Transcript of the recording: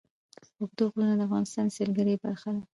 اوږده غرونه د افغانستان د سیلګرۍ برخه ده.